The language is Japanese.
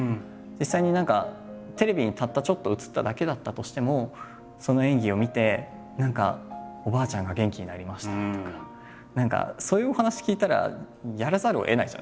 実際に何かテレビにたったちょっと映っただけだったとしてもその演技を見て何かおばあちゃんが元気になりましたとか何かそういうお話聞いたらやらざるをえないじゃないですか。